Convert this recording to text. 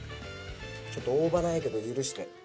ちょっと大葉ないけど許して。